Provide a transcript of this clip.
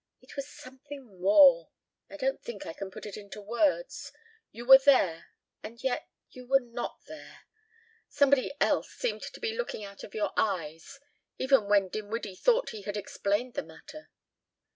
... It was something more. ... I don't think I can put it into words ... you were there, and yet you were not there ... somebody else seemed to be looking out of your eyes ... even when Dinwiddie thought he had explained the matter.